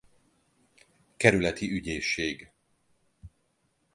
Kerületi Ügyészség.